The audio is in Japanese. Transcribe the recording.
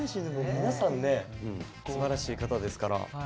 皆さんね、すばらしい方ですから。